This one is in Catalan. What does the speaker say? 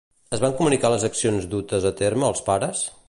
Es van comunicar les accions dutes a terme als pares?